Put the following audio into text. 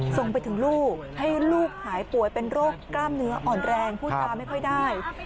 ส่งไปถึงลูกให้ลูกหายป่วยเป็นโรคกล้ามเนื้ออ่อนแรงพูดจาไม่ค่อยได้